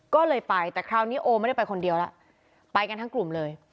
ก็เลยไปแต่คราวนี้โอไม่ได้ไปคนเดียวแล้วไปกันทั้งกลุ่มเลย